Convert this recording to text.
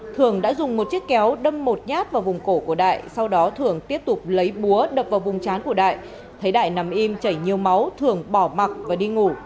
thường đã dùng một chiếc kéo đâm một nhát vào vùng cổ của đại sau đó thường tiếp tục lấy búa đập vào vùng trán của đại thấy đại nằm im chảy nhiều máu thường bỏ mặt và đi ngủ